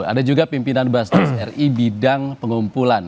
ada juga pimpinan basnas ri bidang pengumpulan